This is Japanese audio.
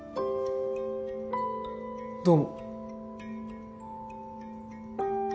どうも。